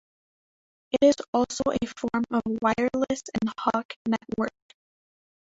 It is also a form of wireless ad hoc network.